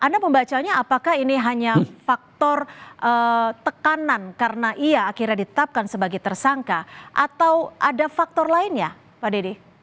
anda membacanya apakah ini hanya faktor tekanan karena ia akhirnya ditetapkan sebagai tersangka atau ada faktor lainnya pak dede